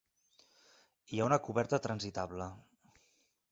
Hi ha una coberta transitable.